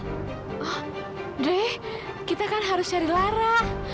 andre kita kan harus cari lara